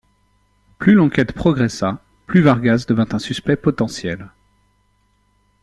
Plus l'enquête progressa, plus Vargas devint un suspect potentiel.